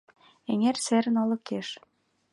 Эҥер серын олыкеш